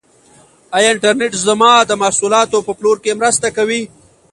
آیا انټرنیټ زما د محصولاتو په پلور کې مرسته کوي؟